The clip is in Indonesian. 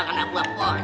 gak ada poin